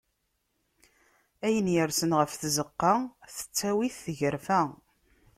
Ayen irsen ɣef tzeqqa, tettawi-t tgerfa.